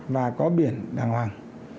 và có biển đàng hoàng